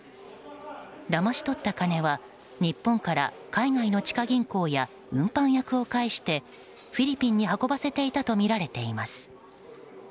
だまし取った金は日本から海外の地下銀行や運搬役を介してフィリピンに運ばせていたとみられています。